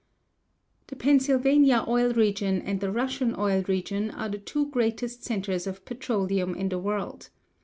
The Pennsylvania oil region and the Russian oil region are the two greatest centers of petroleum in the world.